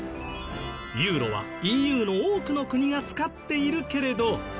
ユーロはＥＵの多くの国が使っているけれど。